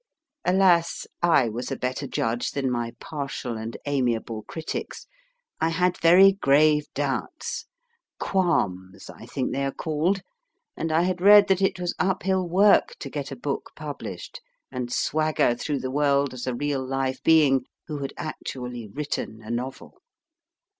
Alas ! I was a better judge than my partial and amiable critics. I had very grave doubts qualms, I think they are called and I had read that it was uphill work to get a book pub lished, and swagger through the world as a real live being who had actually written a novel.